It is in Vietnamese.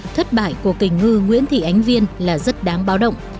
thất bại của kỳnh ngư nguyễn thị ánh viên là rất đáng báo động